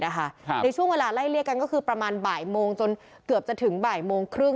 ในช่วงเวลาไล่เลี่ยกันก็คือประมาณบ่ายโมงจนเกือบจะถึงบ่ายโมงครึ่ง